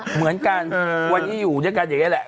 เหมือนกันวันนี้อยู่ด้วยกันอย่างนี้แหละ